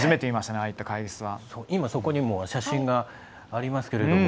今、そこにも写真がありますね。